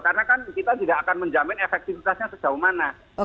karena kan kita tidak akan menjamin efektivitasnya sejauh mana